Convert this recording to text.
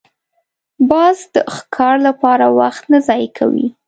باز د ښکار لپاره وخت نه ضایع کوي